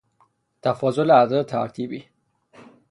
تفاضل اعداد ترتیبی